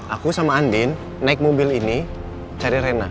aku sama andin naik mobil ini cari renang